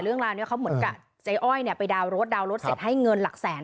เรื่องราวนี้เขาเหมือนกับใจอ้อยเนี่ยไปดาวนรถดาวน์รถเสร็จให้เงินหลักแสน